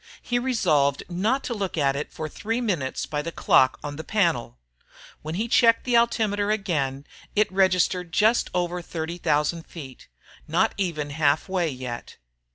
He resolved not to look at it for three minutes by the clock on the panel. When he checked the altimeter again, it registered just over 30,000 feet. Not even half way yet.